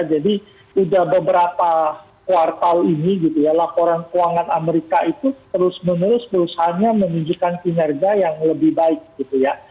jadi sudah beberapa kuartal ini gitu ya laporan keuangan amerika itu terus menerus berusaha menunjukkan kinerja yang lebih baik gitu ya